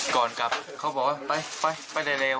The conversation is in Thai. ก่อนกลับเขาบอกว่าไปไปได้เร็ว